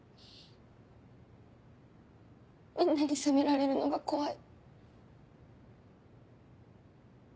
みんなに責められるのが怖い。